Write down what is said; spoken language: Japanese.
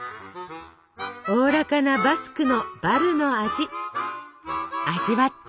おおらかなバスクのバルの味味わって。